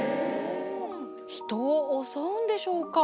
人をおそうんでしょうか？